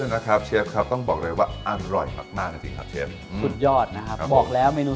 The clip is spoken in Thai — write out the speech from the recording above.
นะครับเชฟครับต้องบอกเลยว่าอร่อยมากจริงขี้วัดนะครับบอกแล้วเมนู